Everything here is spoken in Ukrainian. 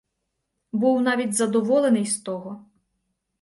Був навіть задоволений з того.